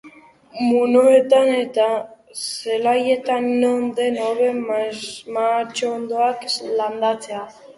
Muinoetan edo zelaietan, non den hobe mahatsondoak landatzea.